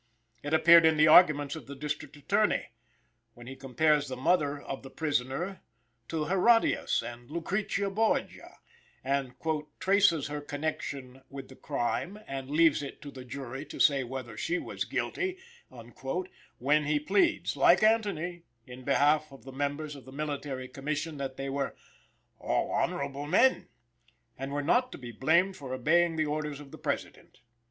It appeared in the argument of the District Attorney, when he compares the mother of the prisoner to Herodias and Lucrezia Borgia, and "traces her connection with the crime" and "leaves it to the jury to say whether she was guilty;" where he pleads, like Antony, in behalf of the members of the Military Commission that they were "all honorable men," and were not to be blamed for obeying the orders of the President.